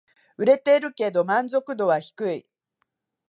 売れてるけど満足度は低い